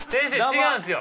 違うんですよ。